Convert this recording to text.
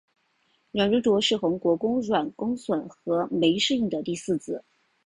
阮如琢是宏国公阮公笋和枚氏映的第四子。